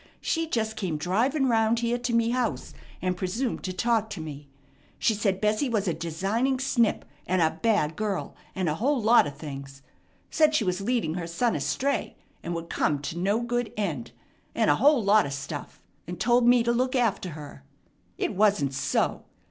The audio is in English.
She jest came driving round here to me house, and presumed to talk to me. She said Bessie was a designing snip, and a bad girl, and a whole lot of things. Said she was leading her son astray, and would come to no good end, and a whole lot of stuff; and told me to look after her. It wasn't so.